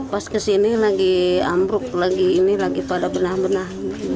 pas kesini lagi ambruk lagi ini lagi pada benah benah